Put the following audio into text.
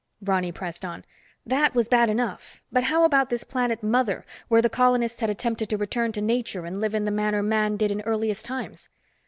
Ronny pressed on. "That was bad enough, but how about this planet Mother, where the colonists had attempted to return to nature and live in the manner man did in earliest times."